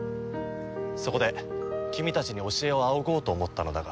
そこで君たちに教えを仰ごうと思ったのだが。